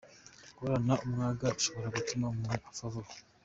Guhorana umwaga bishobora gutuma umuntu apfa vuba